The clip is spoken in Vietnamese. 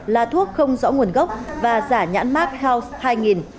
là thuốc không rõ nguồn gốc và giả nhãn mát house hai nghìn